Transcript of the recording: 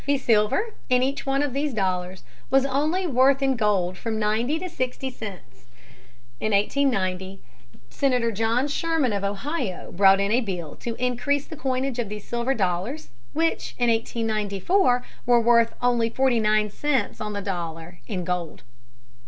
The silver in each one of these dollars was only worth in gold from ninety to sixty cents. In 1890, Senator John Sherman of Ohio brought in a bill to increase the coinage of these silver dollars which, in 1894, were worth only forty nine cents on the dollar in gold.